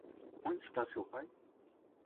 Onde está seu pai?